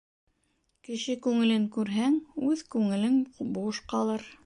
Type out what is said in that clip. Кеше күңелен күрһәң, үҙ күңелең буш ҡалыр.